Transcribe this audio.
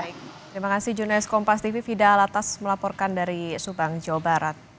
baik terima kasih junes kompas tv fida latas melaporkan dari subang jawa barat